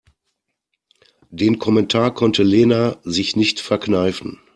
Den Kommentar konnte Lena sich nicht verkneifen.